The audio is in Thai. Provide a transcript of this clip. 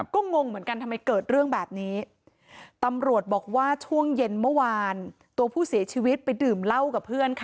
ก็งงเหมือนกันทำไมเกิดเรื่องแบบนี้ตำรวจบอกว่าช่วงเย็นเมื่อวานตัวผู้เสียชีวิตไปดื่มเหล้ากับเพื่อนค่ะ